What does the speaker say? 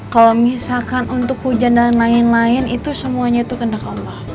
kalau misalkan untuk hujan dan lain lain itu semuanya itu kena ke allah